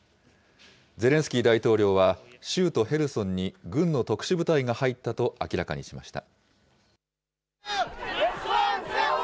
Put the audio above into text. ゼレンスキー大統領は、州都ヘルソンに軍の特殊部隊が入ったと明らかにしました。